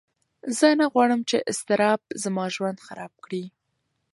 زه نه غواړم چې اضطراب زما ژوند خراب کړي.